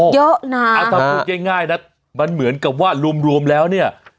เยอะนะถ้าพูดง่ายนะมันเหมือนกับว่ารวมแล้วเนี่ย